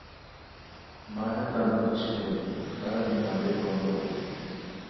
مہ ہیتان نو چھینلیک کا دی ما لیکو نوبونی